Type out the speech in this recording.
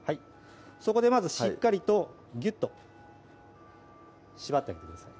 そこでまずしっかりとギュッと縛ってあげてください